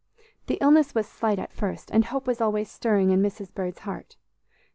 The illness was slight at first, and hope was always stirring in Mrs. Bird's heart.